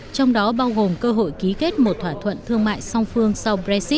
trong đó bao gồm cơ hội ký kết một thỏa thuận thương mại